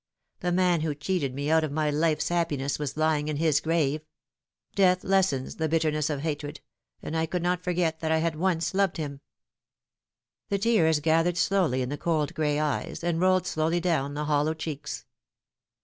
The man who cheated me out of my life's happiness was lying in his grave : death lessens the bitterness of hatred, and I could not forget that I had once loved him." The tears gathered slowly in the cold gray eyes, and rolled slowly down the hollow cheeks.